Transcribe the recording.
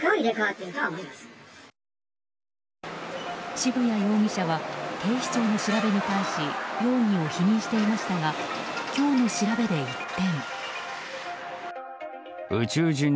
渋谷容疑者は警視庁の調べに対し容疑を否認していましたが今日の調べで一転。